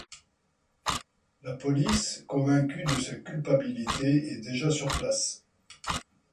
La police, convaincue de sa culpabilité, est déjà sur place.